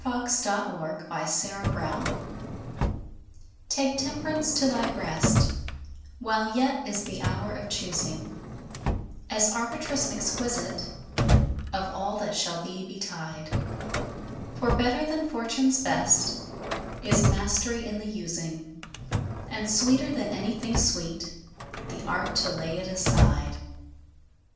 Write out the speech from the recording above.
A Talisman TAKE Temperance to thy breast, While yet is the hour of choosing, As arbitress exquisite Of all that shall thee betide; For better than fortune's best Is mastery in the using, And sweeter than anything sweet The art to lay it aside!